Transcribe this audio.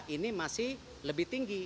ini masih lebih tinggi